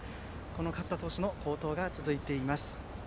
勝田投手の好投が続いています。